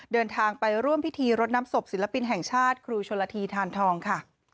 เดินทางไปร่วมพิธีรดน้ำศพศิลปินแห่งชาติครูชนละทีทานทองค่ะ